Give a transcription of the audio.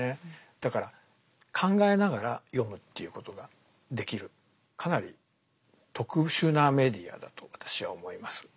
だから考えながら読むっていうことができるかなり特殊なメディアだと私は思います。